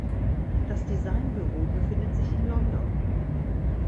Das Designbüro befindet sich in London.